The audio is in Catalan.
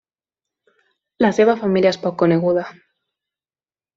La seva família és poc coneguda.